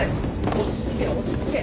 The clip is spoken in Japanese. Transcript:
落ち着け落ち着け！